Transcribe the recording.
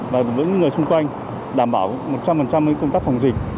và với những người xung quanh đảm bảo một trăm linh công tác phòng dịch